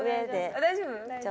大丈夫。